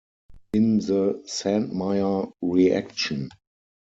In the Sandmeyer reaction.